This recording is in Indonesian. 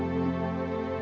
nggak ga ada